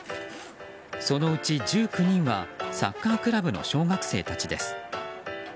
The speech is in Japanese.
そのうち１９人はサッカークラブの小学生たちです。